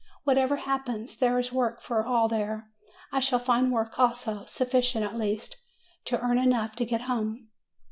Whatever happens, there is work for all there; I shall find work also; sufficient at least, to earn enough to get home.''